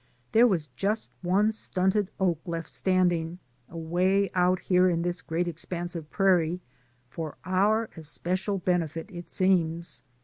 There was just one stunted oak left standing, away out here in this great expanse of prairie — for our especial benefit, it seems.